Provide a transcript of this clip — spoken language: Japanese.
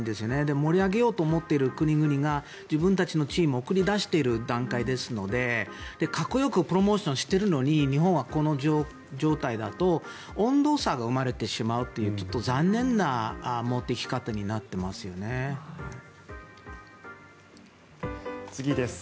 盛り上げようと思っている国々が自分たちのチームを送り出している段階ですのでかっこよくプロモーションしているのに日本はこの状態だと温度差が生まれてしまうというちょっと残念な持っていき方になっていますよね。